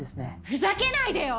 ふざけないでよ！